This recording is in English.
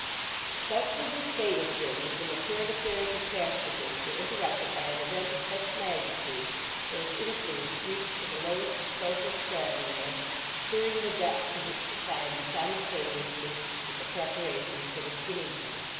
Such was the state of things when the current affairs of Casterbridge were interrupted by an event of such magnitude that its influence reached to the lowest social stratum there, stirring the depths of its society simultaneously with the preparations for the skimmington.